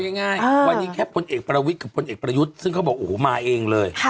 ง่ายวันนี้แค่พลเอกประวิทย์กับพลเอกประยุทธ์ซึ่งเขาบอกโอ้โหมาเองเลย